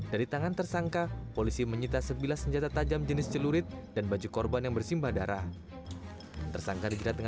dari tangan tersangka polisi menyita sebilas senjata tajam jenis celurit dan baju korban yang bersimbang